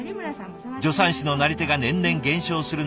助産師のなり手が年々減少する中